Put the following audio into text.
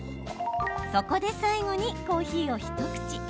そこで最後にコーヒーを一口。